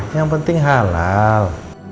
yang penting halal